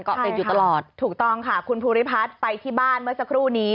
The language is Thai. เกาะติดอยู่ตลอดถูกต้องค่ะคุณภูริพัฒน์ไปที่บ้านเมื่อสักครู่นี้